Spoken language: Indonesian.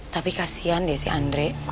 tapi kasian deh si andre